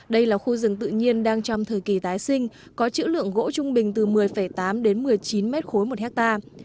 đây là khu rừng tự nhiên đang trong thời kỳ tái sinh có chữ lượng gỗ trung bình từ một mươi tám đến một mươi chín mét khối một hectare